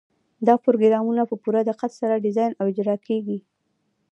دا پروګرامونه په پوره دقت سره ډیزاین او اجرا کیږي.